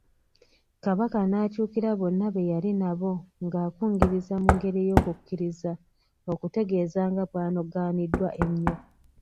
Kabaka n'akyukira bonna be yali nabo ng'akungiriza mu ngeri ey'okukkiriza okutegeeza nga bw'anogaaniddwa ennyo.